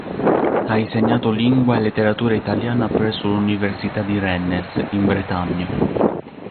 Ha insegnato Lingua e Letteratura italiana presso l'Università di Rennes, in Bretagna.